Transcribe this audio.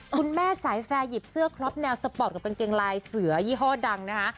คุณแม่สายแฟร์หยิบเสื้อคล็อปแนวสปอร์ตกับกางเกงลายเสือยี่ห้อดังนะคะ